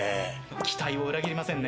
期待を裏切りませんね。